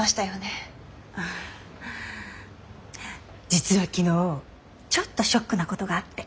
実は昨日ちょっとショックなことがあって。